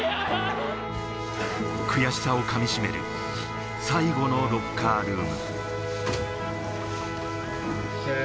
悔しさを噛みしめ、最後のロッカールーム。